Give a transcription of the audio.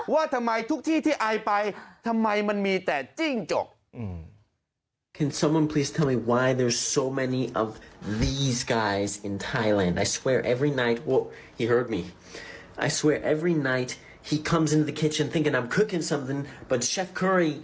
ว่าทำไมทุกที่ที่อายไปทำไมมันมีแต่จิ้งจก